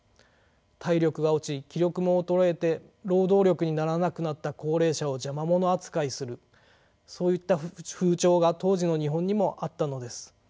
体力が落ち気力も衰えて労働力にならなくなった高齢者を邪魔者扱いするそういった風潮が当時の日本にもあったのです。